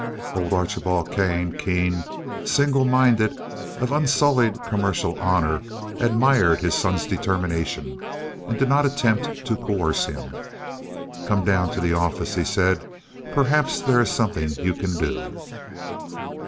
Old Archibald Kane, keen, single minded, of unsullied commercial honor, admired his son's determination, and did not attempt to coerce him. "Come down to the office," he said; "perhaps there is something you can do."